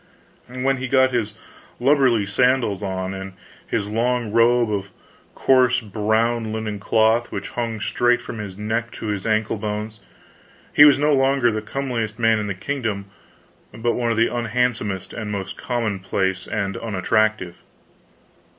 When he got his lubberly sandals on, and his long robe of coarse brown linen cloth, which hung straight from his neck to his ankle bones, he was no longer the comeliest man in his kingdom, but one of the unhandsomest and most commonplace and unattractive.